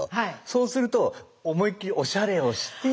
そうすると思いっきりおしゃれをして。